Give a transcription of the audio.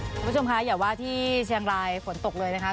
คุณผู้ชมคะอย่าว่าที่เชียงรายฝนตกเลยนะคะ